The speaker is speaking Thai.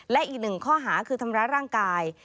และอีกหนึ่งข้อหาคือทำร้ายร่างกาย